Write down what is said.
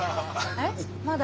えっまだ。